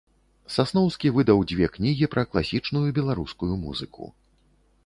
Сасноўскі выдаў дзве кнігі пра класічную беларускую музыку.